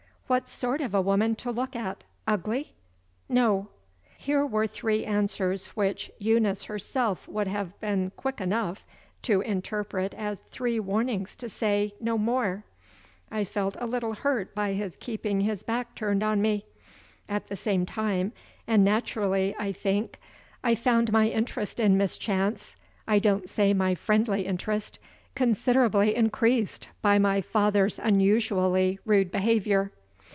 "What sort of a woman to look at? Ugly?" "No." Here were three answers which Eunice herself would have been quick enough to interpret as three warnings to say no more. I felt a little hurt by his keeping his back turned on me. At the same time, and naturally, I think, I found my interest in Miss Chance (I don't say my friendly interest) considerably increased by my father's unusually rude behavior.